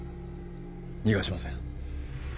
逃がしません